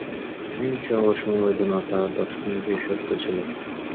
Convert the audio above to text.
অহিংসা এবং সমবেদনা তাঁর দর্শনের বিশেষত্ব ছিল।